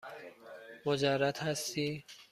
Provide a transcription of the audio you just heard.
مجرد هستی؟